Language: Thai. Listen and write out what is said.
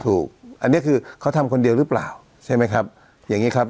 ถูกอันนี้คือเขาทำคนเดียวหรือเปล่าใช่ไหมครับอย่างงี้ครับ